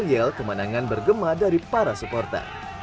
dan yel yel kemenangan bergema dari para supporter